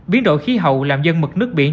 biến độ khí hậu làm dân mực nước biển